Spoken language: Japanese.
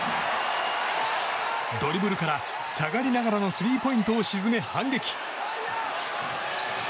ドリブルから下がりながらのスリーポイントを沈め、反撃！